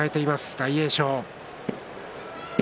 大栄翔。